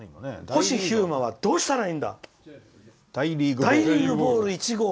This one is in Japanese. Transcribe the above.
星飛雄馬とかはどうすればいいんだ。